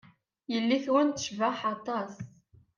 Yelli-twen tecbeḥ aṭas.